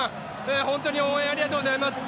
本当に応援ありがとうございます。